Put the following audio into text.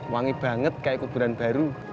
wangi banget kayak kuburan baru